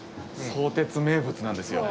相鉄名物なんですよ。